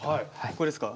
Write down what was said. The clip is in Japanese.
ここですか。